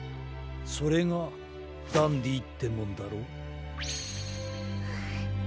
それがダンディってもんだろ。